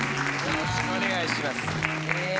よろしくお願いしますええー